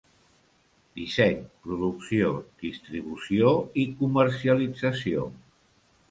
Disseny, producció, distribució i comercialització.